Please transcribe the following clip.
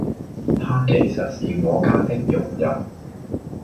她其實是我家的佣人